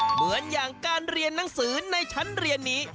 เหมือนอย่างการเรียนหนังสือในชั้นเรียนนี้